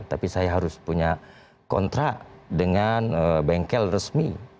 tapi saya harus punya kontrak dengan bengkel resmi